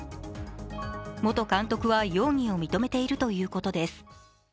元監督は容疑を認めているということです。